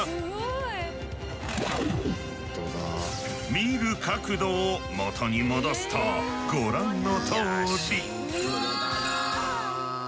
見る角度を元に戻すとご覧のとおり。